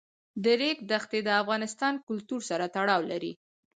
د ریګ دښتې د افغان کلتور سره تړاو لري.